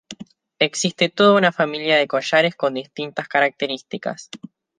Existe toda una familia de collares con distintas características.